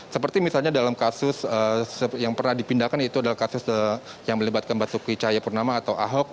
seperti misalnya dalam kasus yang pernah dipindahkan itu adalah kasus yang melibatkan mbak sukwi cahaya purnama atau ahok